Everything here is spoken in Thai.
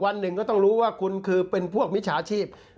วันหนึ่งก็ต้องรู้ว่าคุณคือเป็นพวกมิจฉาชีพ